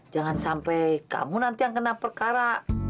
jangan sampai kamu nanti yang kena perkara